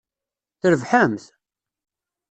Trebḥemt?